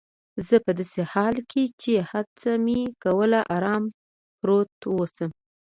زه په داسې حال کې چي هڅه مې کول آرام پروت اوسم.